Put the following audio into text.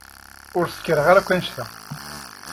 Ur skiṛeɣ ara akk annect-a.